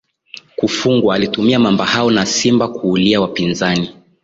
kufugwa alitumia mamba hao na simba kuulia wapinzani